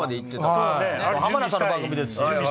浜田さんの番組ですし。